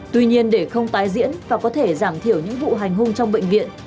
tuy nhiên để không tái diễn và có thể giảm thiểu những vụ hành hung trong bệnh viện